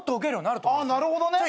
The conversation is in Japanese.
なるほどね。